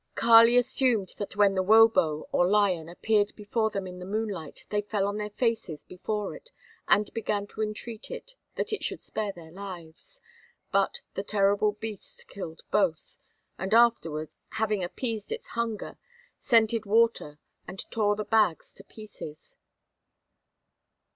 Kali assumed that when the "wobo" or lion appeared before them in the moonlight they fell on their faces before it and began to entreat it that it should spare their lives. But the terrible beast killed both, and afterwards, having appeased its hunger, scented water and tore the bags to pieces.